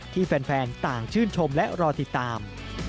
ที่แฟนต่างชื่นชมและรอติดตาม